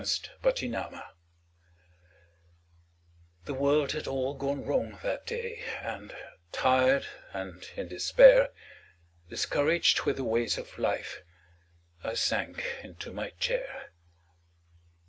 MY COMFORTER The world had all gone wrong that day And tired and in despair, Discouraged with the ways of life, I sank into my chair.